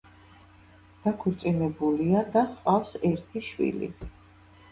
დაქორწინებულია და ჰყავს ერთი შვილი.